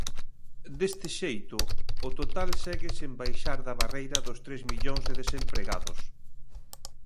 Deste xeito, o total segue sen baixar da barreira dos tres millóns de desempregados.